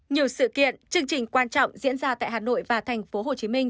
nhiều sự kiện chương trình quan trọng diễn ra tại hà nội và thành phố hồ chí minh